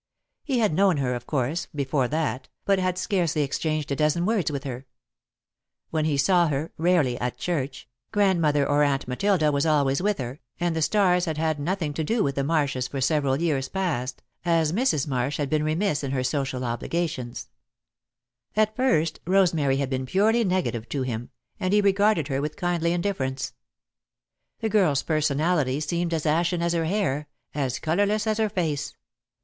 He had known her, of course, before that, but had scarcely exchanged a dozen words with her. When he saw her, rarely, at church, Grandmother or Aunt Matilda was always with her, and the Starrs had had nothing to do with the Marshs for several years past, as Mrs. Marsh had been remiss in her social obligations. [Sidenote: A Growing Interest] At first, Rosemary had been purely negative to him, and he regarded her with kindly indifference. The girl's personality seemed as ashen as her hair, as colourless as her face.